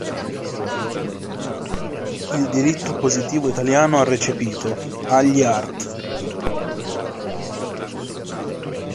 Il diritto positivo italiano ha recepito, agli art.